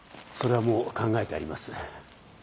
それはもう考えてあります。